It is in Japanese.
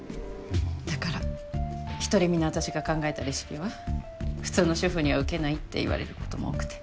だから独り身の私が考えたレシピは普通の主婦にはウケないって言われることも多くて。